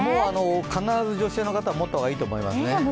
必ず女性の方は持ったほうがいいと思いますね。